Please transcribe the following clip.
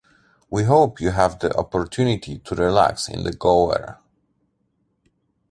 We hope you have the opportunity to relax in the Gower.